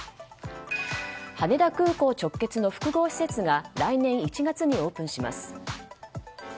羽田空港直結の複合施設が来年１月にオープンします。